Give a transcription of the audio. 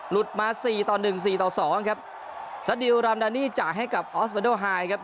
มาสี่ต่อหนึ่งสี่ต่อสองครับสดิลรามดานี่จ่ายให้กับออสมาโดไฮครับ